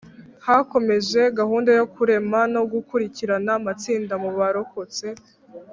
Hakomeje gahunda yo kurema no gukurikirana amatsinda mu barokotse